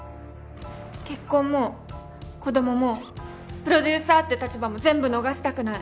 結婚も子供もプロデューサーって立場も全部逃したくない。